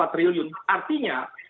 kita bisa lihat sekarang